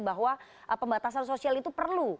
bahwa pembatasan sosial itu perlu